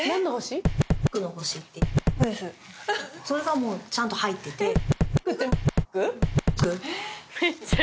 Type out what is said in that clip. それがもうちゃんと入ってて。